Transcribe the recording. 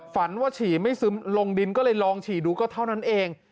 ฝันว่าฉี่ไม่ซึมลงดินก็เลยลองฉี่ดูก็เท่านั้นเอง